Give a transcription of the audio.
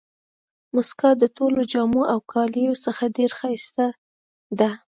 مسکا د ټولو جامو او کالیو څخه ډېره ښایسته ده.